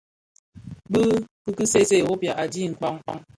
Bi ki ki see see Europa, adhi kpaa,